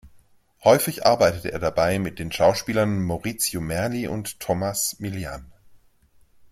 Häufig arbeitete er dabei mit den Schauspielern Maurizio Merli und Tomás Milián.